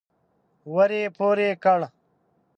ور يې پورې کړ.